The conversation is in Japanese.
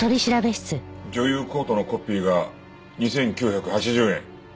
女優コートのコピーが２９８０円。